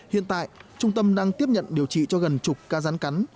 hiện tại trung tâm đang tiếp nhận điều trị cho gần chục ca rán cắn